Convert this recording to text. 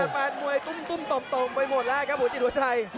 แฟนมวยตุ้มตมไปหมดแล้วครับหัวจิตหัวใจ